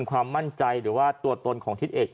ความมั่นใจหรือว่าตัวตนของทิศเอก